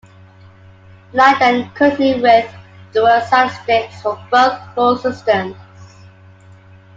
The line then continued with dual statistics for both rule systems.